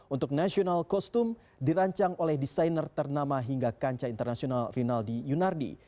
untuk national costum dirancang oleh desainer ternama hingga kancah internasional rinaldi yunardi